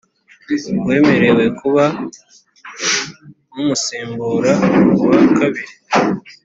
Uwemerewe kuba Umusimbura wa kabiri